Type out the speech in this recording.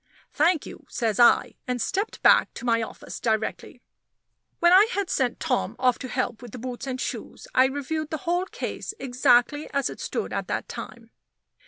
"Thank you," says I; and stepped back to my office directly. When I had sent Tom off to help with the boots and shoes, I reviewed the whole case exactly as it stood at that time.